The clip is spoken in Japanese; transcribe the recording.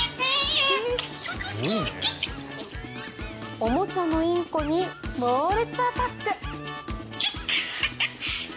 おもちゃのインコに猛烈アタック。